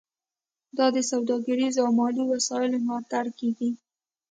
دا د سوداګریزو او مالي وسایلو ملاتړ کیږي